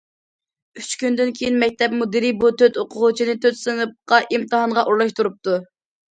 ئۈچ كۈندىن كېيىن مەكتەپ مۇدىرى بۇ تۆت ئوقۇغۇچىنى تۆت سىنىپقا ئىمتىھانغا ئورۇنلاشتۇرۇپتۇ.